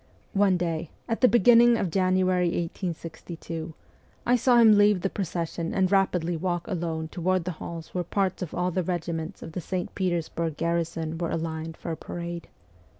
One day, at the beginning of January 1862, I saw him leave the procession and rapidly walk alone toward the halls where parts of all the regiments of the St. Petersburg garrison were aligned for a parade.